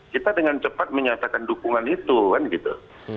kita dengan cepat menyatakan dukungan itu kan gitu